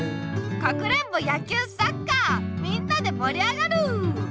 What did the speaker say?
かくれんぼ野球サッカーみんなで盛り上がる！